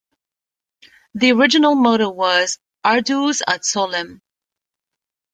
The original motto was "Arduus ad Solem".